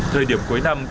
thời điểm cuối năm